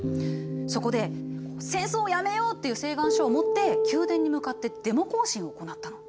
そこで「戦争をやめよう」っていう請願書を持って宮殿に向かってデモ行進を行ったの。